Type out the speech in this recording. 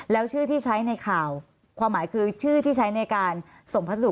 แล้วชื่อที่ใช้ในข่าวความหมายคือชื่อที่ใช้ในการส่งพัสดุ